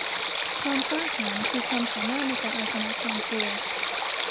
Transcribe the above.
ความกล้าหาญคือความสามารถในการเอาชนะความกลัว